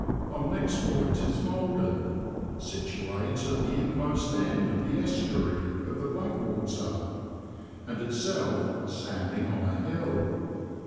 Our next point is Maldon, situate at the inmost end of the estuary of the Blackwater, and itself standing on a hill.